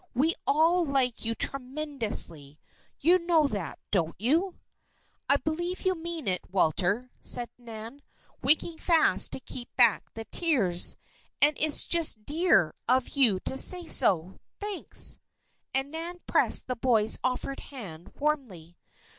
We all like you tremendously. You know that, don't you?" "I believe you mean it, Walter," said Nan, winking fast to keep back the tears. "And it's just dear of you to say so. Thanks!" and Nan pressed the boy's offered hand warmly.